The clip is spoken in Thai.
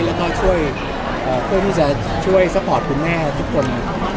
ห้องนี้คือจะช่วยสปอร์ตคุณแม่ทุกคนต่อไป